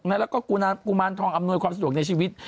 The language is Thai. แล้วก็กุมารทองอำนวยความสะดวกในชีวิต